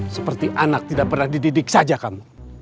seperti anak tidak pernah dididik saja kamu